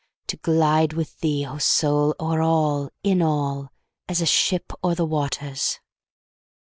To glide with thee, O Soul, o'er all, in all, as a ship o'er the waters!